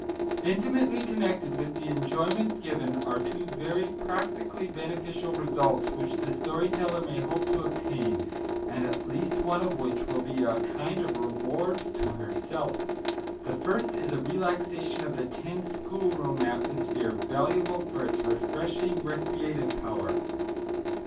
Intimately connected with the enjoyment given are two very practically beneficial results which the story teller may hope to obtain, and at least one of which will be a kind of reward to herself. The first is a relaxation of the tense schoolroom atmosphere, valuable for its refreshing recreative power.